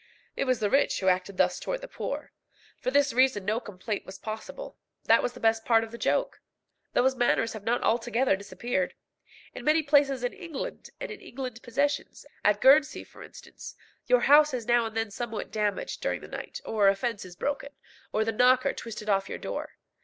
It was the rich who acted thus towards the poor. For this reason no complaint was possible. That was the best of the joke. Those manners have not altogether disappeared. In many places in England and in English possessions at Guernsey, for instance your house is now and then somewhat damaged during the night, or a fence is broken, or the knocker twisted off your door.